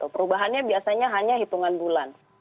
perubahannya biasanya hanya hitungan bulan